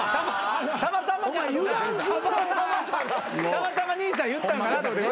たまたま兄さん言ったんかなと思って。